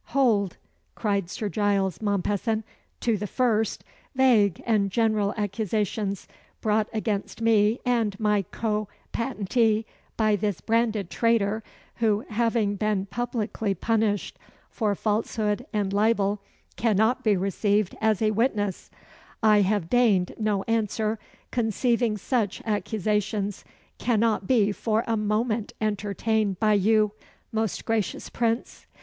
"Hold!" cried Sir Giles Mompesson. "To the first vague and general accusations brought against me and my co patentee, by this branded traitor, who, having been publicly punished for falsehood and libel, cannot be received as a witness, I have deigned no answer, conceiving such accusations cannot be for a moment entertained by you, most gracious Prince.